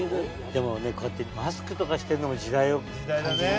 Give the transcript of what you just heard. でもこうやってマスクとかしてるのも時代を感じるね。